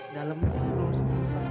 dalamnya belum sempet